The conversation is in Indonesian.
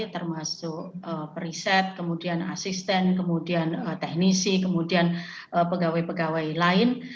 termasuk periset kemudian asisten kemudian teknisi kemudian pegawai pegawai lain